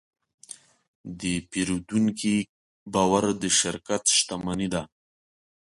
د پیرودونکي باور د شرکت شتمني ده.